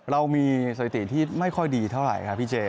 เรามีสวัสดิ์ตีที่ไม่ค่อยดีเท่าไรค่ะพี่เจ